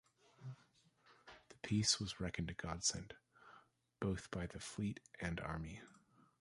The peace was reckoned a godsend, both by the fleet and army.